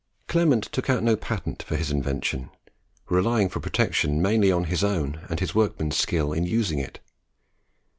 Clement took out no patent for his invention, relying for protection mainly on his own and his workmen's skill in using it.